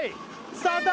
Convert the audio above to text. スタート